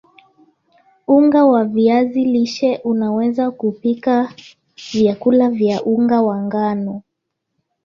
unga wa viazi lishe unaweza kupika vyakula vya unga wa ngano